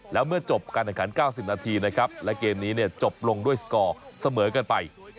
แล้วเมื่อจบการแข่งขัน๙๐นาทีนะครับและเกมนี้จบลงด้วยสกอร์เสมอกันไป